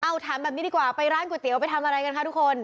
เอาถามแบบนี้ดีกว่าไปร้านก๋วยเตี๋ยวไปทำอะไรกันคะทุกคน